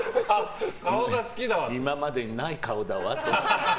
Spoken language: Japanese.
今までにない顔だわと思って。